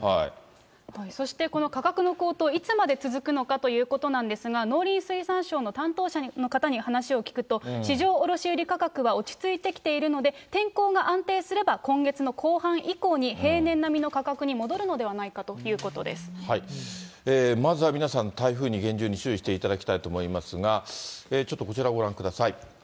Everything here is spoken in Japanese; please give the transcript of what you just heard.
そしてこの価格の高騰、いつまで続くのかということなんですが、農林水産省の担当者の方に話を聞くと、市場卸売価格は落ち着いてきているので、天候が安定すれば、今月の後半以降に平年並みの価格に戻るのではないかということでまずは皆さん、台風に厳重に注意していただきたいと思いますが、ちょっとこちらをご覧ください。